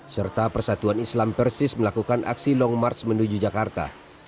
serta persatuan islam persis melakukan aksi long march menuju jakarta